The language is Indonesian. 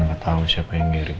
gak tau siapa yang ngirim